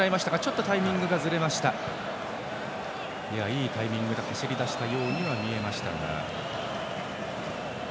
いいタイミングで走り出したように見えました。